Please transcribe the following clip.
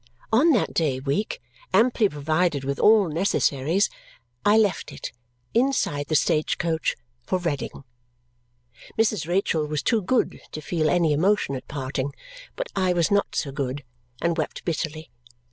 On that day week, amply provided with all necessaries, I left it, inside the stagecoach, for Reading. Mrs. Rachael was too good to feel any emotion at parting, but I was not so good, and wept bitterly.